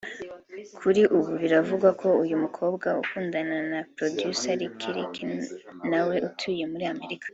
Kuri ubu biravugwa ko uyu mukobwa akundana na Producer Lick Lick na we utuye muri Amerika